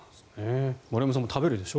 森山さん食べるでしょう？